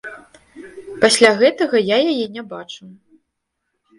Пасля гэтага я яе не бачыў.